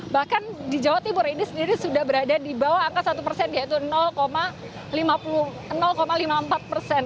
bahkan di jawa timur ini sendiri sudah berada di bawah angka satu persen yaitu lima puluh empat persen